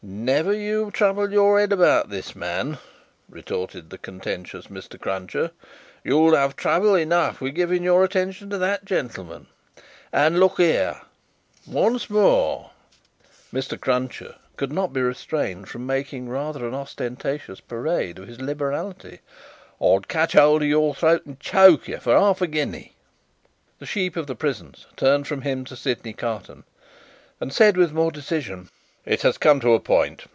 "Never you trouble your head about this man," retorted the contentious Mr. Cruncher; "you'll have trouble enough with giving your attention to that gentleman. And look here! Once more!" Mr. Cruncher could not be restrained from making rather an ostentatious parade of his liberality "I'd catch hold of your throat and choke you for half a guinea." The Sheep of the prisons turned from him to Sydney Carton, and said, with more decision, "It has come to a point.